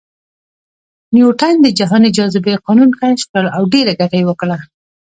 نیوټن د جهاني جاذبې قانون کشف کړ او ډېره ګټه یې وکړه